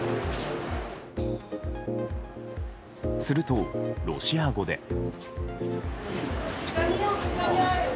すると、ロシア語で。